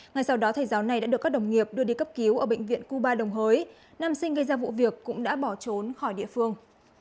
ngay sau đó thầy giáo này đã được các đồng nghiệp đưa đi cấp cứu ở bệnh viện cuba đồng hới nam sinh gây ra vụ việc cũng đã bỏ trốn khỏi địa phương